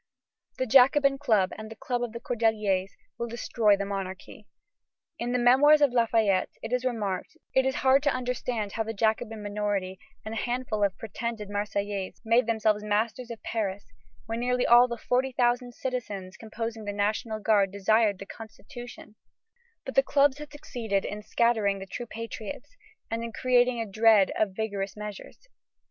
The Jacobin Club and the Club of the Cordeliers will destroy the monarchy. In the Memoirs of Lafayette it is remarked that "it is hard to understand how the Jacobin minority and a handful of pretended Marseillais made themselves masters of Paris when nearly all the forty thousand citizens composing the National Guard desired the Constitution; but the clubs had succeeded in scattering the true patriots and in creating a dread of vigorous measures.